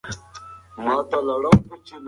دا موضوع باید جدي ونیول شي.